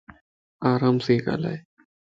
آرام سين ڳالھائين